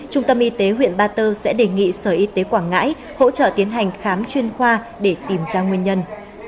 trung tâm y tế huyện ba tơ sẽ đề nghị sở y tế quảng ngãi hỗ trợ tiến hành khám chuyên khoa để tìm ra nguyên nhân